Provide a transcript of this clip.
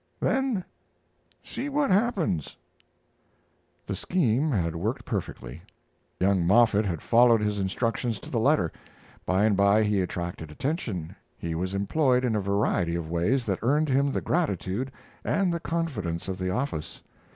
Then see what happens." The scheme had worked perfectly. Young Moffett had followed his instructions to the letter. By and by he attracted attention. He was employed in a variety of ways that earned him the gratitude and the confidence of the office.